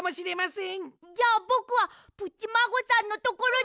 じゃあぼくはプッチマーゴさんのところに。